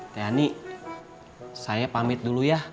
teh ani saya pamit dulu ya